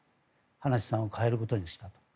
葉梨さんを代えることにしたと。